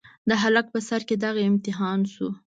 د هلک په سر چې دغه امتحان شو.